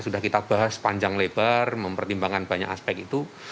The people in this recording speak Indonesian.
sudah kita bahas panjang lebar mempertimbangkan banyak aspek itu